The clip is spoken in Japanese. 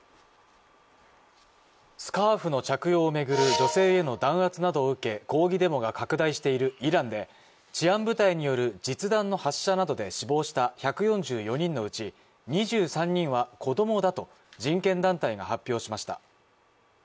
スカーフの着用を巡る女性への弾圧などを受け抗議デモが拡大しているイランで治安部隊による実弾の発射などで死亡した１４４人のうち２３人は子供だと人権団体が発表しました。